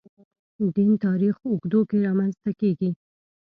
دین تاریخ اوږدو کې رامنځته کېږي.